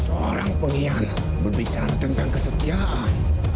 seorang pengkhianat berbicara tentang kesetiaan